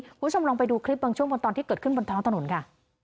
คุณผู้ชมลองไปดูคลิปบางช่วงบนตอนที่เกิดขึ้นบนท้องถนนค่ะ